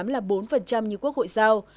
là bốn như quốc hội giao